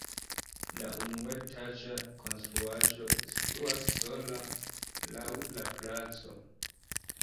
La unuetaĝa konstruaĵo situas sola laŭ la placo.